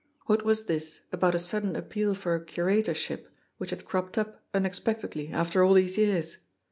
What was this about a sudden appeal for a curator ship, which had cropped up unexpectedly after all these years?